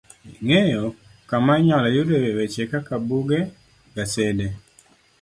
ng'eyo kama inyalo yudoe weche kaka buge, gasede